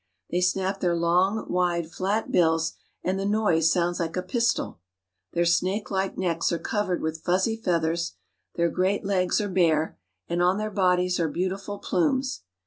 They snap their long, wide, flat bills, , S90 ^^H and the noise sounds like a pistol. Their snakelike necks ^^H are covered with fuzzy feathers, their great tegs are bare, ^^* and on their bodies are beautiful plumes.